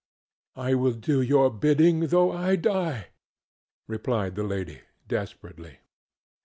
"I will do your bidding though I die," replied the lady, desperately.